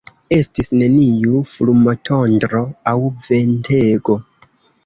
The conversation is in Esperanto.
Estis neniu fulmotondro aŭ ventego.